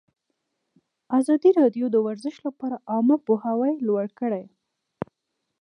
ازادي راډیو د ورزش لپاره عامه پوهاوي لوړ کړی.